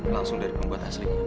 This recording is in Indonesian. langsung dari pembuat aslinya